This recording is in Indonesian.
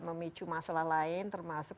memicu masalah lain termasuk